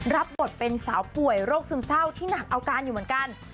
รับบทเป็นสาวป่วยโรคซึมเศร้าที่หนักเอาการอยู่เหมือนกัน